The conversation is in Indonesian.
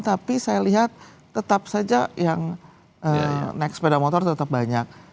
tapi saya lihat tetap saja yang naik sepeda motor tetap banyak